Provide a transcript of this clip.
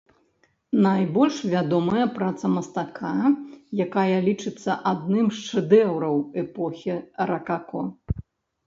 Найбольш вядомая праца мастака, якая лічыцца адным з шэдэўраў эпохі ракако.